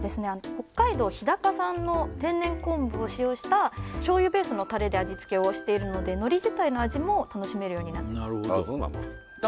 北海道日高産の天然昆布を使用した醤油ベースのタレで味付けをしているので海苔自体の味も楽しめるようになっています